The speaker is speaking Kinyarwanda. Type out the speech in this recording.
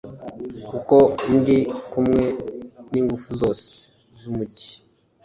kuko ndi kumwe n'ingufu zose z'umugi